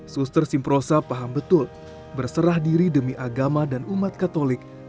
suster simprosa paham betul berserah diri demi agama dan umat katolik